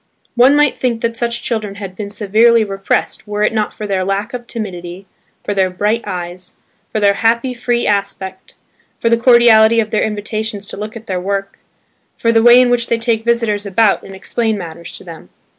One might think that such children had been severely repressed were it not for their lack of timidity, for their bright eyes, for their happy, free aspect, for the cordiality of their invitations to look at their work, for the way in which they take visitors about and explain matters to them.